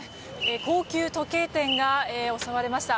高級時計店が襲われました。